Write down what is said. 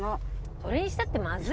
それにしたって。